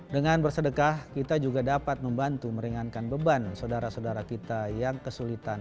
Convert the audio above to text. dengan bersedekah kita juga dapat membantu meringankan beban saudara saudara kita yang kesulitan